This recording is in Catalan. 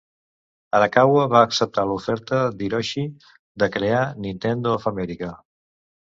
Arakawa va acceptar l'oferta d'Hiroshi de crear Nintendo of America.